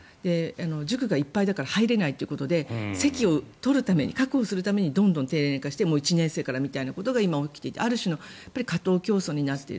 塾がいっぱいだから入れないということで席を取るために確保するためにどんどん低年化してもう１年生からみたいなことが今、起きていてある種の過当競争になっている。